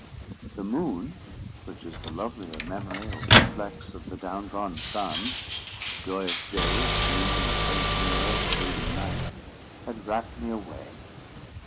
The moon, which is the lovelier memory or reflex of the down gone sun, the joyous day seen in the faint mirror of the brooding night, had rapt me away.